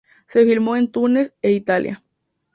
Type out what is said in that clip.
Se filmó en Túnez e Italia.